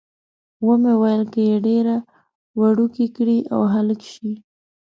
ومې ویل، که یې ډېره وړوکې کړي او هلک شي.